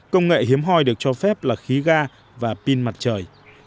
công nghệ hiếm hoi được cho phép là khí ga và pin mặt trời